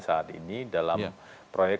saat ini dalam proyek